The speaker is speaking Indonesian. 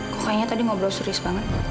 kok kayaknya tadi ngobrol seris banget